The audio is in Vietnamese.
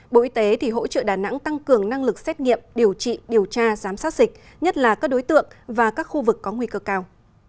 bộ y tế hỗ trợ đà nẵng tăng cường năng lực xét nghiệm điều trị điều tra giám sát dịch nhất là các đối tượng và các khu vực có nguy cơ cao